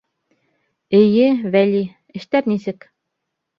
Эйе, Вәли. Эштәр нисек?